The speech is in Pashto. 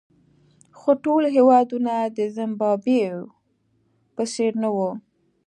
خو ټول هېوادونه د زیمبابوې په څېر نه وو.